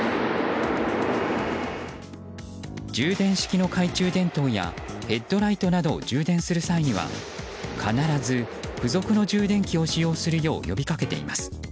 充電式の懐中電灯やヘッドライトなどを充電する際には必ず付属の充電器を使用するよう呼びかけています。